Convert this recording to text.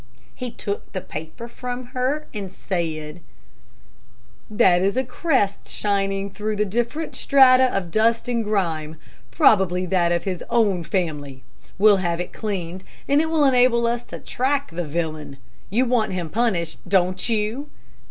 He took the paper from her, and said: "That is a crest shining through the different strata of dust and grime, probably that of his own family We'll have it cleaned, and it will enable us to track the villain. You want him punished, don't you?"